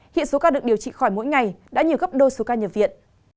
hiện số ca được điều trị khỏi mỗi ngày đã nhiều gấp đôi số ca nhập viện